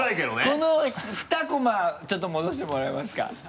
この２コマちょっと戻してもらえますか？